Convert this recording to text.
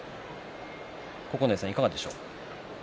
九重さん、いかがでしょう？